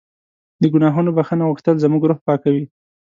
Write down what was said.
د ګناهونو بښنه غوښتل زموږ روح پاکوي.